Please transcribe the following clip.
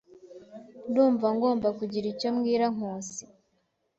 Ndumva ngomba kugira icyo mbwira Nkusi.